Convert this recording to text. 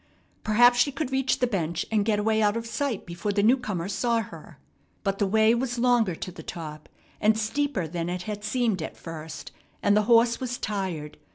Perhaps she could reach the bench and get away out of sight before the newcomer saw her. But the way was longer to the top, and steeper than it had seemed at first, and the horse was tired.